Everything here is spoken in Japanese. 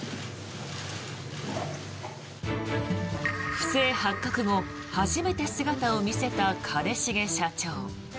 不正発覚後初めて姿を見せた兼重社長。